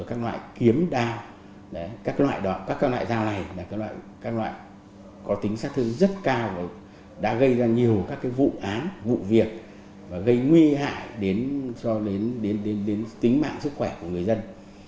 các loại kiếm đao các loại dao này là các loại có tính sát thương rất cao và đã gây ra nhiều các vụ án vụ việc và gây nguy hại đến tính mạng sức khỏe của người dân